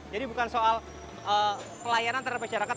jadi bukan soal pelayanan terhadap masyarakat